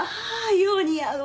よう似合うわ。